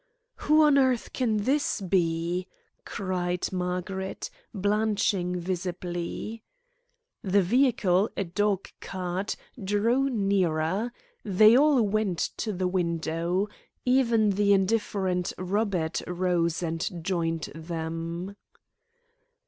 "Who on earth can this be?" cried Margaret, blanching visibly, The vehicle, a dog cart, drew nearer. They all went to the window. Even the indifferent Robert rose and joined them.